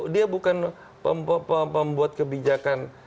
dia bukan pembuat kebijakan